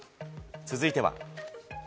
続いては。